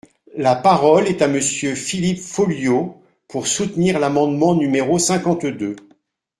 La parole est à Monsieur Philippe Folliot, pour soutenir l’amendement numéro cinquante-deux.